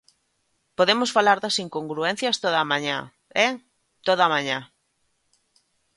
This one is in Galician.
Podemos falar das incongruencias toda a mañá, ¡eh!, toda a mañá.